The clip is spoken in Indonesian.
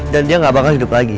dan dia gak bakal hidup lagi